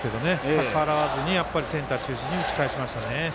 逆らわずにセンター中心に打ち返しましたね。